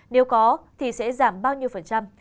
nếu có thì sẽ giảm bao nhiêu phần trăm